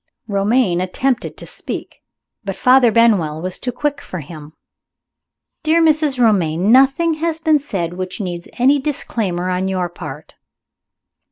Romayne attempted to speak, but Father Benwell was too quick for him. "Dear Mrs. Romayne, nothing has been said which needs any disclaimer on your part."